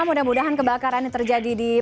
mudah mudahan kebakaran ini terjadi di puncak